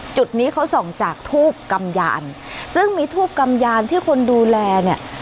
จุดนี้เขาส่องจากทูบกำยานซึ่งมีทูบกำยานที่คนดูแลเนี่ย